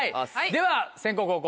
では先攻後攻。